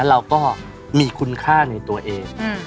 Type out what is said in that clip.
เราก็มีคุณค่าในตัวเอง